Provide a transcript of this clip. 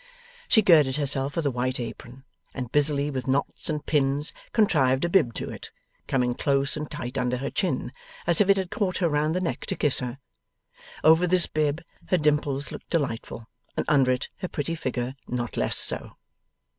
She girded herself with a white apron, and busily with knots and pins contrived a bib to it, coming close and tight under her chin, as if it had caught her round the neck to kiss her. Over this bib her dimples looked delightful, and under it her pretty figure not less so.